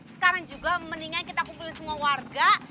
sekarang juga mendingan kita kumpulin semua warga